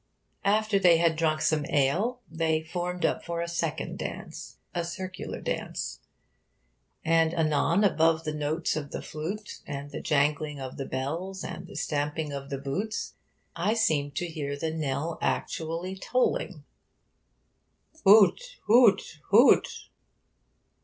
After they had drunk some ale, they formed up for the second dance a circular dance. And anon, above the notes of the flute and the jangling of the bells and the stamping of the boots, I seemed to hear the knell actually tolling, Hoot! Hoot! Hoot!